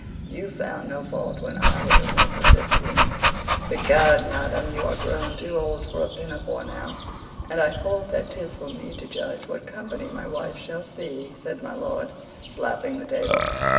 "You found no fault when I was a miss at fifteen." "Begad, madam, you are grown too old for a pinafore now; and I hold that 'tis for me to judge what company my wife shall see," said my lord, slapping the table.